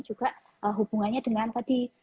juga hubungannya dengan tadi